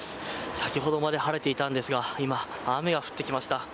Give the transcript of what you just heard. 先ほどまで晴れていたんですが今、雨が降ってきました。